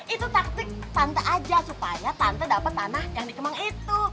itu taktik tante aja supaya tante dapet tanah yang di kemang itu